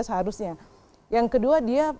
seharusnya yang kedua dia